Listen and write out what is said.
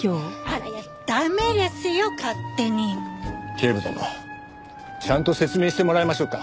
警部殿ちゃんと説明してもらいましょうか。